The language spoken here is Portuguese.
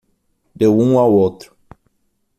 Deu um ao outro